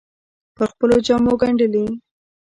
پر خپلو جامو ګنډلې